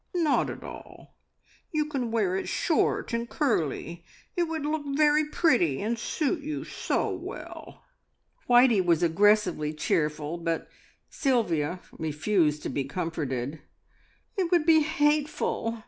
"Not at all. You can wear it short and curly. It would look very pretty, and suit you so well." Whitey was aggressively cheerful, but Sylvia refused to be comforted. "It would be hateful.